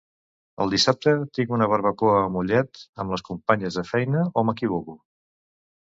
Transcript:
El dissabte tinc una barbacoa a Mollet amb les companyes de feina o m'equivoco?